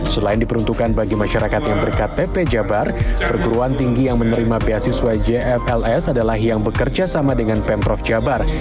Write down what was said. selain diperuntukkan bagi masyarakat yang berktp jabar perguruan tinggi yang menerima beasiswa jfls adalah yang bekerja sama dengan pemprov jabar